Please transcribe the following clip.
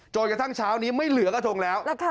จนกระทั่งเช้านี้ไม่เหลือกระทงแล้ว